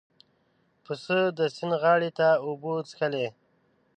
پسه د سیند غاړې ته اوبه څښلې.